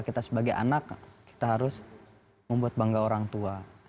kita sebagai anak kita harus membuat bangga orang tua